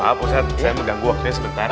maaf ustadz saya mengganggu waktunya sebentar